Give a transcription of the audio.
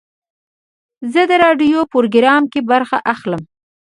زه د راډیو پروګرام کې برخه اخلم.